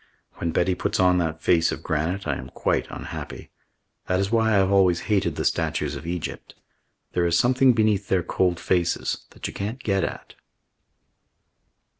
When Betty puts on that face of granite I am quite unhappy. That is why I have always hated the statues of Egypt. There is something beneath their cold faces that you can't get at.